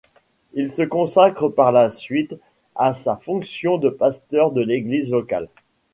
Il se consacre par la suite à sa fonction de pasteur de l'église locale.